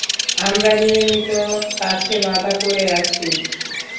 আমরা নিয়তির কাছে বাঁধা পড়ে আছি!